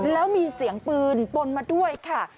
แล้วมีเสียงปืนปนมาด้วยค่ะ